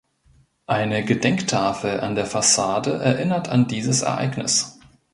Eine Gedenktafel an der Fassade erinnert an dieses Ereignis.